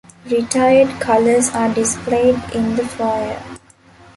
Retired Colours are displayed in the foyer.